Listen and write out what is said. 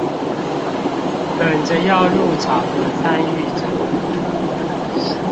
等著要入場的參與者